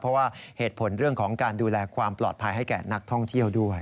เพราะว่าเหตุผลเรื่องของการดูแลความปลอดภัยให้แก่นักท่องเที่ยวด้วย